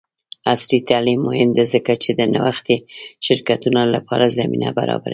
عصري تعلیم مهم دی ځکه چې د نوښتي شرکتونو لپاره زمینه برابروي.